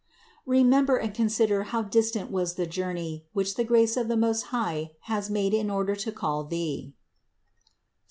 Remember and consider how distant was the journey, which the grace of the Most High has made in order to call thee (Ps.